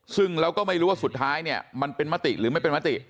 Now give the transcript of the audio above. ซึ่งเราก็ไม่รู้ว่าสุดท้ายเนี่ยมันเป็นมติหรือไม่เป็นมติ